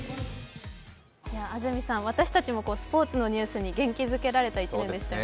私たちもスポーツのニュースに元気づけられた１年でしたよね。